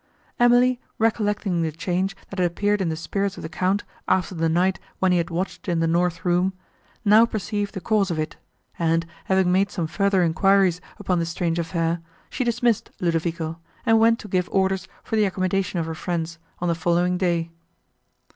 Emily, recollecting the change, that had appeared in the spirits of the Count, after the night, when he had watched in the north room, now perceived the cause of it; and, having made some further enquiries upon this strange affair, she dismissed Ludovico, and went to give orders for the accommodation of her friends, on the following day.